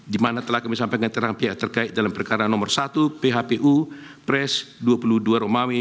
di mana telah kami sampaikan keterangan pihak terkait dalam perkara nomor satu phpu pres dua puluh dua romawi